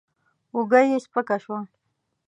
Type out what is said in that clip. اوږه يې سپکه شوه.